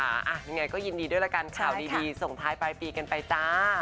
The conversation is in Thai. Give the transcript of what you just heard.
ยังไงก็ยินดีด้วยละกันข่าวดีส่งท้ายปลายปีกันไปจ้า